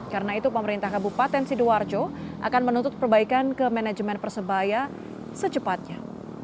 karena itu pemerintah kabupaten sidoarjo akan menuntut perbaikan ke manajemen persebaya secepatnya